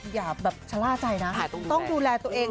อย่าแบบชะล่าใจนะต้องดูแลตัวเอง